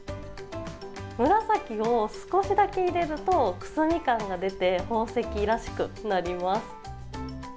紫を少しだけ入れるとくすみ感が出て宝石らしくなります。